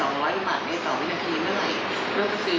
หมวนนี้ระบายมาที่๑๑๐๐วันนี้ระบายหัวที่๑๙๕๐ลูกบาทเมตรต่อวินาที